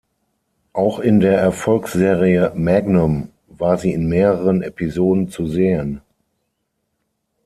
Auch in der Erfolgsserie "Magnum" war sie in mehreren Episoden zu sehen.